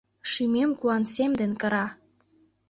Шÿмем куан сем ден кыра.